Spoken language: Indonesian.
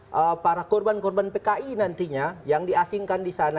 untuk para korban korban pki nantinya yang diasingkan di sana